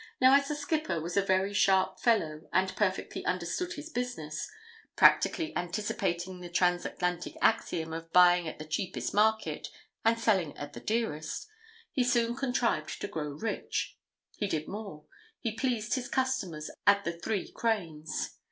Now, as the skipper was a very sharp fellow, and perfectly understood his business practically anticipating the Transatlantic axiom of buying at the cheapest market and selling at the dearest he soon contrived to grow rich. He did more: he pleased his customers at the Three Cranes.